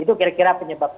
itu kira kira penyebabnya